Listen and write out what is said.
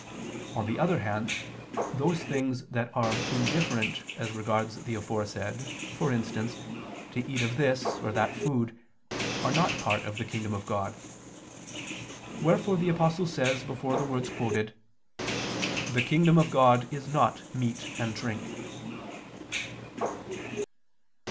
On the other hand, those things that are indifferent as regards the aforesaid, for instance, to eat of this or that food, are not part of the kingdom of God; wherefore the Apostle says before the words quoted: "The kingdom of God is not meat and drink."